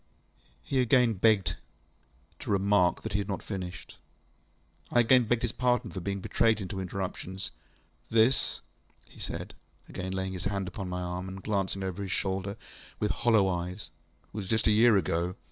He again begged to remark that he had not finished. I again begged his pardon for being betrayed into interruptions. ŌĆ£This, ŌĆØ he said, again laying his hand upon my arm, and glancing over his shoulder with hollow eyes, ŌĆ£was just a year ago.